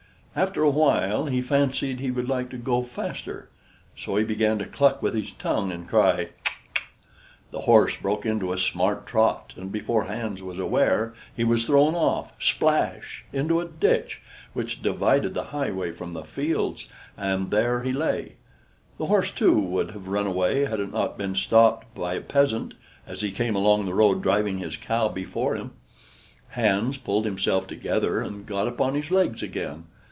After a while he fancied he would like to go faster, so he began to cluck with his tongue and cry "C'ck! c'ck!" The horse broke into a smart trot, and before Hans was aware he was thrown off splash! into a ditch which divided the highway from the fields, and there he lay. The horse, too, would have run away had it not been stopped by a peasant, as he came along the road, driving his cow before him. Hans pulled himself together and got upon his legs again.